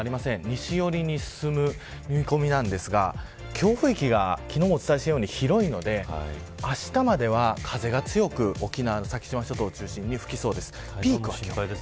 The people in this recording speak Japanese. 西寄りに進む見込みですが強風域が昨日もお伝えしたように広いのであしたまでは風が強く沖縄の先島諸島を中心に風が吹きそうです。